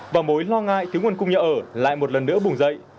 và mối lo ngại thứ nguồn cung nhà ở lại một lần nữa bùng dậy